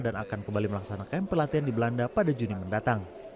dan akan kembali melaksanakan pelatihan di belanda pada juni mendatang